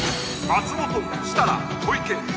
松本設楽小池ＶＳ